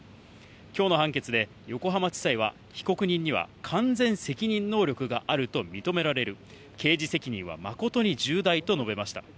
きょうの判決で、横浜地裁は、被告人には完全責任能力があると認められる、刑事責任は誠に重大と述べました。